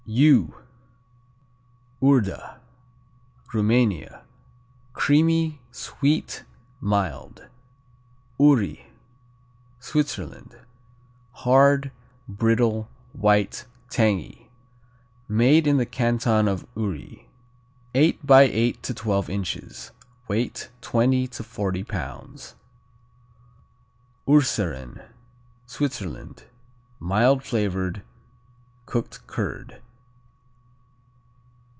U Urda Rumania Creamy; sweet; mild. Uri Switzerland Hard; brittle; white; tangy. Made in the Canton of Uri. Eight by eight to twelve inches, weight twenty to forty pounds. Urseren Switzerland Mild flavored. Cooked curd.